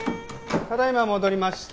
ただいま戻りました。